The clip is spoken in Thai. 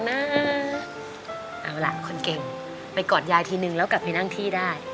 เอาล่ะคนเก่งไปกอดยายทีนึงแล้วกลับไปนั่งที่ได้